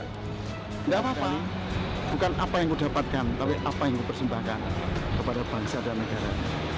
tidak apa apa bukan apa yang kudapatkan tapi apa yang kupersembahkan kepada bangsa dan negara